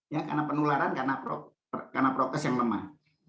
ya karena penularan karena prokes yang lemah